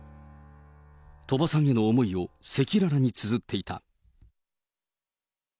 鳥羽さんへの思いを赤裸々につづっていた。